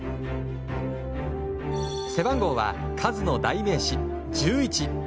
背番号はカズの代名詞、１１。